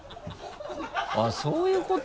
あっそういうこと？